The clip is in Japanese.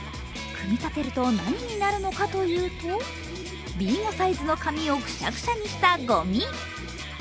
組み立てると何になるのかというと、Ｂ５サイズの紙をくしゃくしゃにしたごみ。